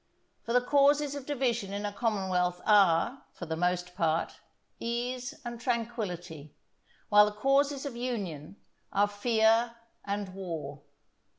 For the causes of division in a commonwealth are, for the most part, ease and tranquillity, while the causes of union are fear and war.